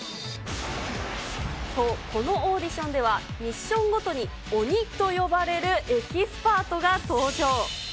そう、このオーディションでは、ミッションごとに鬼と呼ばれるエキスパートが登場。